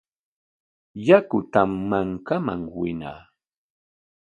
Yakutam mankaman winaa.